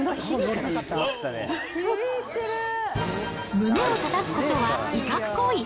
胸をたたくことは威嚇行為。